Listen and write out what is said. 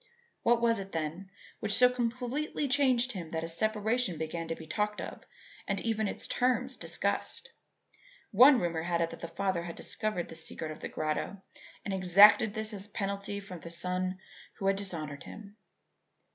What was it, then, which so completely changed him that a separation began to be talked of and even its terms discussed? One rumour had it that the father had discovered the secret of the grotto and exacted this as a penalty from the son who had dishonoured him.